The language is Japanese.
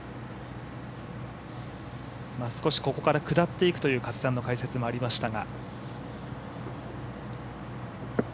少しここから下っていくという加瀬さんの解説もありましたが。